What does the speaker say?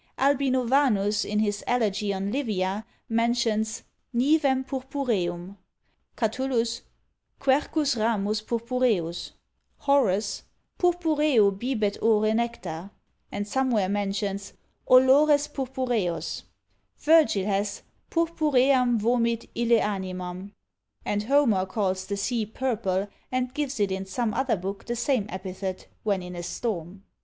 Albinovanus, in his elegy on Livia, mentions Nivem purpureum. Catullus, Quercus ramos purpureos. Horace, Purpureo bibet ore nectar, and somewhere mentions Olores purpureos. Virgil has Purpuream vomit ille animam; and Homer calls the sea purple, and gives it in some other book the same epithet, when in a storm.